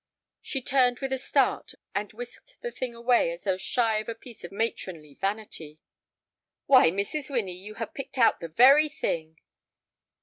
She turned with a start, and whisked the thing away as though shy of a piece of matronly vanity. "Why, Mrs. Winnie, you have picked out the very thing!"